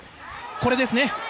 これですね。